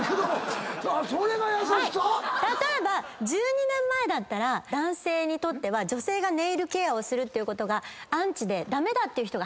例えば１２年前だったら男性にとっては女性がネイルケアをするってことがアンチで駄目だっていう人が。